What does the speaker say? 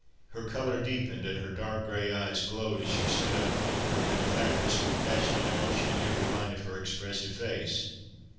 Her colour deepened, and her dark grey eyes glowed, as she stood up and looked at her benefactress with passionate emotion in every line of her expressive face.